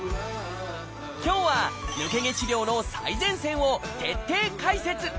今日は抜け毛治療の最前線を徹底解説！